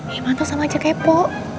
ya mantau sama aja kepo